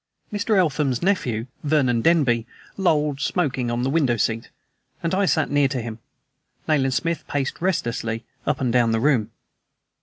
Mr. Eltham's nephew, Vernon Denby, lolled smoking on the window seat, and I sat near to him. Nayland Smith paced restlessly up and down the room.